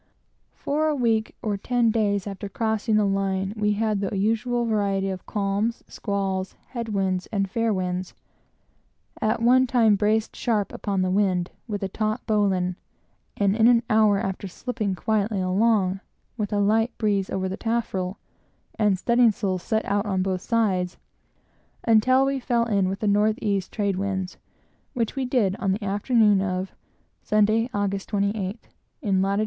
For a week or ten days after crossing the line, we had the usual variety of calms, squalls, head winds, and fair winds; at one time braced sharp upon the wind, with a taut bowline, and in an hour after, slipping quietly along, with a light breeze over the taffrail, and studding sails out on both sides; until we fell in with the north east trade winds; which we did on the afternoon of Sunday, August 28th, in lat.